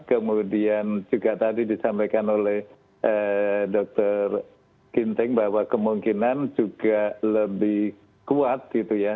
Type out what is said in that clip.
kemudian juga tadi disampaikan oleh dr ginteng bahwa kemungkinan juga lebih kuat gitu ya